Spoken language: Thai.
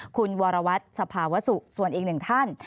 คุณวรวัตรสภาวสุส่วนอีกหนึ่งท่าน